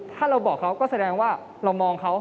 ถ้าเราบอกเขาก็แสดงว่าเรามองเขา